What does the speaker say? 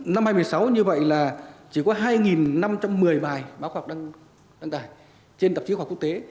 năm hai nghìn một mươi sáu như vậy là chỉ có hai năm trăm một mươi bài báo khoa học đang đăng tải trên tạp chí khoa học quốc tế